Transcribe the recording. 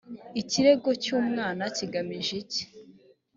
ikirego cy umwana kigamije iki